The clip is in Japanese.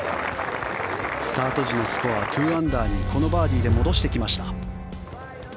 スタート時のスコア２アンダーにこのバーディーで戻してきました。